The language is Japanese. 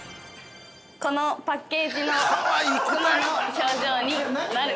このパッケージの熊の表情になる。